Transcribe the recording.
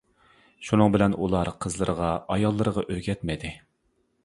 شۇنىڭ بىلەن ئۇلار قىزلىرىغا، ئاياللىرىغا ئۆگەتمىدى.